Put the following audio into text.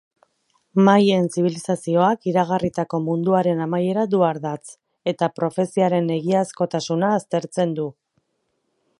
Maien zibilizazioak iragarritako munduaren amaiera du ardatz, eta profeziaren egiazkotasuna aztertzen du.